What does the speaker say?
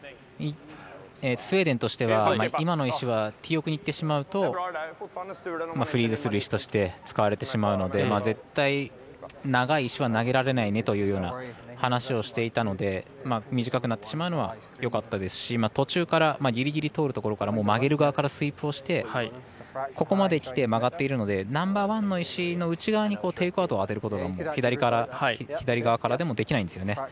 スウェーデンとしては、今の石はティー奥にいってしまうとフリーズする石として使われてしまうので絶対長い石は投げられないねというような話をしていたので短くなってしまうのはよかったですし途中からぎりぎり通るところから曲げる側からスイープをしてここまできて曲がっているのでナンバーワンの石の内側にテイクアウトを当てることが左側からもできないんですね。